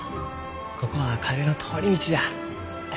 ここは風の通り道じゃ。